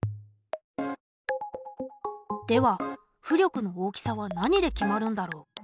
では浮力の大きさは何で決まるんだろう？